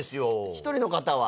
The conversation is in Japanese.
一人の方は。